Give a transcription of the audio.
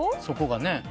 そこがね。